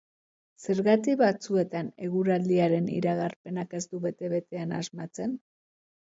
Zergatik, batzuetan, eguraldiaren iragarpenak ez du bete-betean asmatzen?